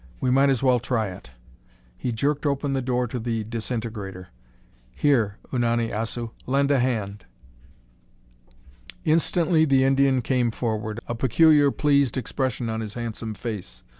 "We might as well try it." He jerked open the door to the disintegrator. "Here, Unani Assu! Lend a hand!" Instantly the Indian came forward, a peculiar, pleased expression on his handsome face.